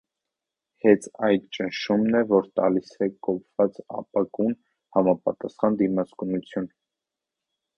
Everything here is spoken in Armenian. Հենց այդ ճնշումն է, որ տալիս է կոփած ապակուն համապատասխան դիմացկունություն։